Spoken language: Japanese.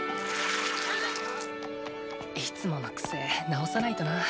いつものクセ直さないとな。